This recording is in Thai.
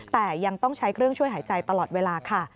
แต่ยังต้องใช้เครื่องช่วยหายใจตลอดเวลาค่ะ